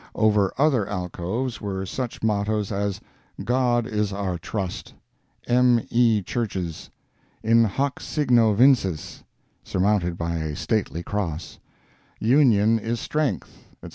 Over other alcoves were such mottoes as "God is Our Trust;" "M. E. Churches;" "In hoc signo vinces," surmounted by a stately cross; "Union is Strength," etc.